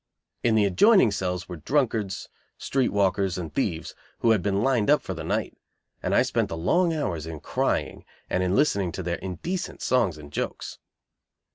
In the adjoining cells were drunkards, street walkers and thieves who had been "lined up" for the night, and I spent the long hours in crying and in listening to their indecent songs and jokes.